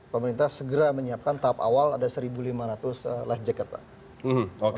pemerintah segera menyiapkan tahap awal ada satu lima ratus life jacket pak